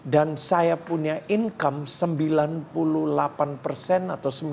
dan saya punya income sembilan puluh delapan atau sembilan puluh tujuh